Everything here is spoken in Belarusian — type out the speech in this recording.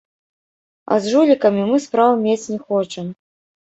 А з жулікамі мы спраў мець не хочам.